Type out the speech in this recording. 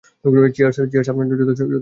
Cheers -cheers আপনার জন্য যথেষ্ট শক্তিশালী?